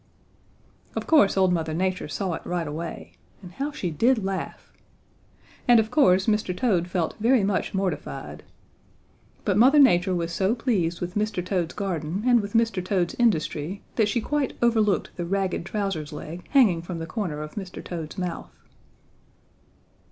"Of course old Mother Nature saw it right away. And how she did laugh! And of course Mr. Toad felt very much mortified. But Mother Nature was so pleased with Mr. Toad's garden and with Mr. Toad's industry that she quite overlooked the ragged trousers leg hanging from the corner of Mr. Toad's mouth.